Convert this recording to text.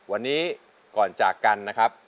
วันนี้ก่อนจากกันนะครับ